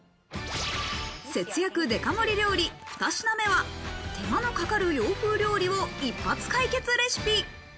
節約デカ盛り料理、２品目は手間のかかる洋風料理を一発解決レシ